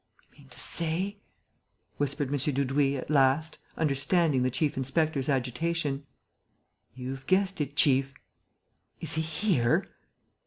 "You mean to say ...?" whispered M. Dudouis, at last, understanding the chief inspector's agitation. "You've guessed it, chief!" "Is he here?"